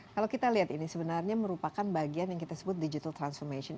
kalau kita lihat ini sebenarnya merupakan bagian yang kita sebut digital transformation